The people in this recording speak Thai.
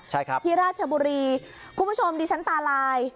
ใช่ครับที่ราชบุรีคุณผู้ชมดิฉันตาลาย